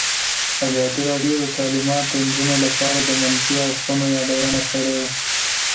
ازادي راډیو د تعلیمات د نجونو لپاره د منفي اړخونو یادونه کړې.